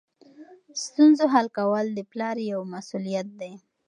ستونزو حل کول د پلار یوه مسؤلیت ده.